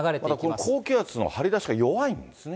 この高気圧の張り出しが弱いんですね。